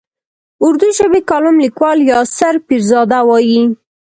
اردو ژبی کالم لیکوال یاسر پیرزاده وايي.